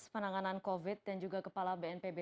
penanganan covid dan juga kepala bnpb